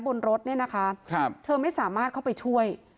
บนรถเนี่ยนะคะเธอไม่สามารถเข้าไปช่วย